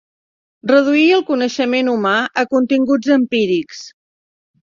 Reduir el coneixement humà a continguts empírics.